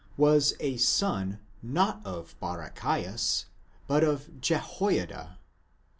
was a son, not of Barachias, but of Jehoiada.